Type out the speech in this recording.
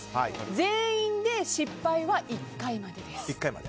全員で失敗は１回までです。